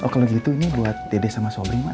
kalau gitu ini buat dede sama suabring mak